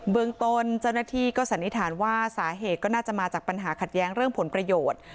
เมืองต้นเจ้าหน้าที่ก็สันนิษฐานว่าสาเหตุก็น่าจะมาจากปัญหาขัดแย้งเรื่องผลประโยชน์